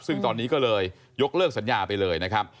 ซึ่งตอนนี้ก็เลยยกเลิกสัญญาไปเลยนะครับ